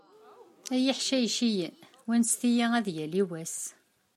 Ay iḥcayciyen, wanset-iyi ad yali wass.